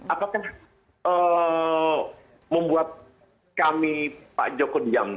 apakah membuat kami pak joko diam